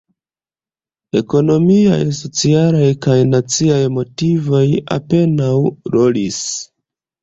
Ekonomiaj, socialaj kaj naciaj motivoj apenaŭ rolis.